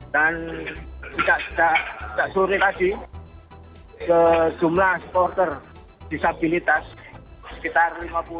dan sejak sore tadi jumlah supporter disabilitas sekitar lima puluh